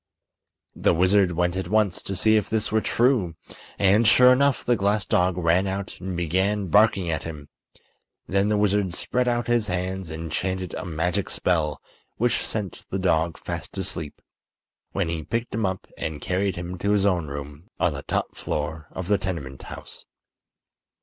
The wizard went at once to see if this were true, and, sure enough, the glass dog ran out and began barking at him. Then the wizard spread out his hands and chanted a magic spell which sent the dog fast asleep, when he picked him up and carried him to his own room on the top floor of the tenement house.